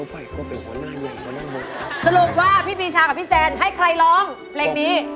สรุปว่าพี่ปีชากับพี่แซนให้ใครร้องเพลงนี้